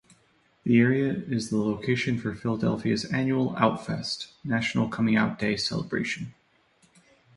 The area is the location for Philadelphia's annual OutFest: National Coming Out Day celebration.